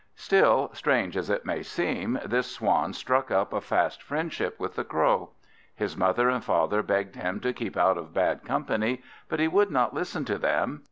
Still, strange as it may seem, this Swan struck up a fast friendship with the Crow. His mother and father begged him to keep out of bad company, but he would not listen to them.